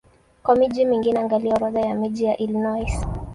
Kwa miji mingine angalia Orodha ya miji ya Illinois.